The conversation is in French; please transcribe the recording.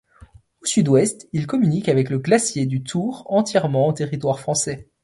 Au sud-ouest, il communique avec le glacier du Tour entièrement en territoire français.